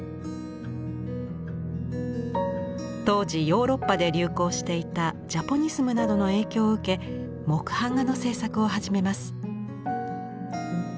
当時ヨーロッパで流行していたジャポニスムなどの影響を受け木版画の制作を始めます。